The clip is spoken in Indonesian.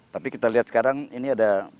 tapi kita lihat sekarang ini ada